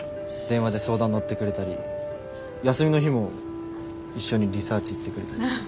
電話で相談乗ってくれたり休みの日も一緒にリサーチ行ってくれたり。